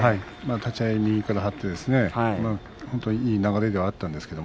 立ち合い右から張って本当にいい流れではあったんですけれど